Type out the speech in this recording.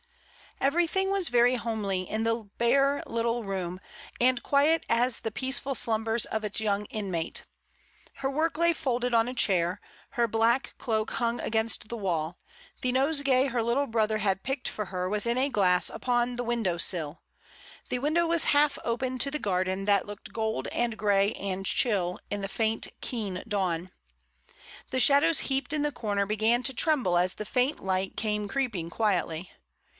Everything was very homely in the bare little room, and quiet as the peaceful slumbers of its young inmate. Her work lay folded on a chair; her black cloak hung against the wall; the nosegay her little brother had picked for her was in a glass upon the window sill; the window was half open to the garden that looked gold and grey and chill in the faint keen dawn. The shadows heaped in the comer began to tremble as the faint light came creeping quietly.